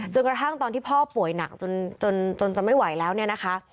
กระทั่งตอนที่พ่อป่วยหนักจนจะไม่ไหวแล้วเนี่ยนะคะ